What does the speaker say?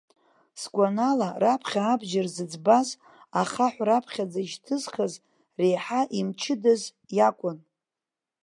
Сгәанала, раԥхьа абџьар зыӡбаз, ахаҳә раԥхьаӡа ишьҭызхыз, реиҳа имчыдаз иакәын.